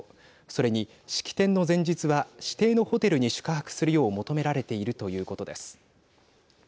それに式典の前日は指定のホテルに宿泊するよう求められているということです。